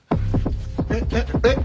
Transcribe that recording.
えっえっえっ？